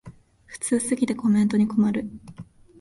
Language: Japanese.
普通すぎてコメントに困る